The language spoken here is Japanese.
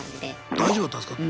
大丈夫だったんすか？